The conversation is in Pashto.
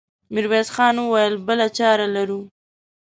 ميرويس خان وويل: بله چاره لرو؟